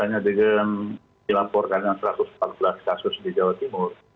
ya kaitannya dengan dilaporkan satu ratus empat belas kasus di jawa timur